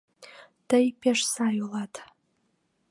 Тый пеш сай улат!